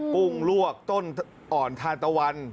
กุ้งลวกต้นอ่อนทานตะวัน